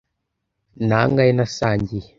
Nangahe nasangiye